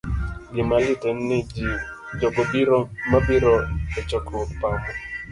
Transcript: Gima lit en ni jogo mobiro e chokruok pamo